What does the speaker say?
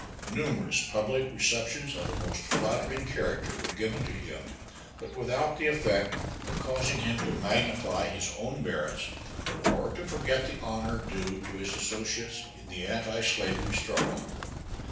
Numerous public receptions of a most flattering character were given to him, but without the effect of causing him to magnify his own merits or to forget the honor due to his associates in the anti slavery struggle.